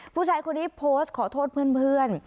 ผู้ชายคนนี้โพสต์ขอโทษเพื่อน